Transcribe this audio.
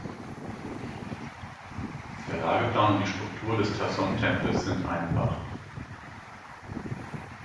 Der Lageplan und die Struktur des Ta-Som-Tempels sind einfach.